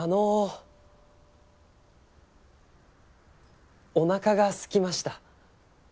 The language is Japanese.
おなかがすきました。